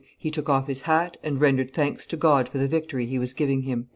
"He took off his hat and rendered thanks to God for the victory He was giving him."